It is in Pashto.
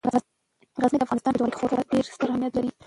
غزني د افغانستان په جغرافیه کې خورا ډیر ستر اهمیت لري.